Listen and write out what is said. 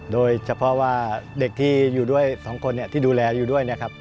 โดยเฉพาะว่าเด็กที่อยู่ด้วย๒คนที่ดูแลอยู่ด้วยนะครับ